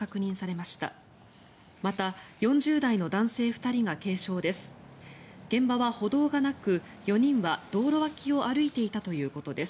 また、４０代の男性２人が軽傷です。